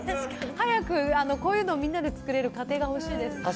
早くこういうのをみんなで作れる家庭が欲しいです。